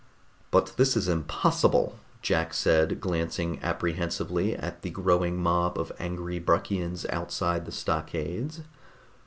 "But this is impossible," Jack said, glancing apprehensively at the growing mob of angry Bruckians outside the stockades.